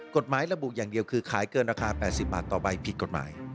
กฎหมายระบุอย่างเดียวคือขายเกินราคา๘๐บาทต่อใบผิดกฎหมาย